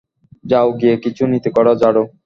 যাও গিয়ে কিছু নীতিকথা ঝাড়ো।